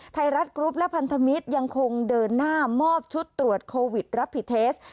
ไทยรัฐกรุ๊ปและพันธมิตรยังคงเดินหน้ามอบชุดตรวจโควิดรับผิดเทส